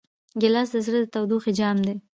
ګیلاس د زړه د تودوخې جام دی.